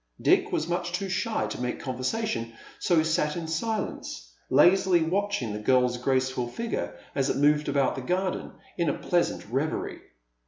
Dick was much too shy to make conversation, so he sat in silence, lazily watching the girl's graceful figure as it moved about the garden, in a pleasant reverie.